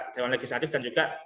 dewan legislatif dan juga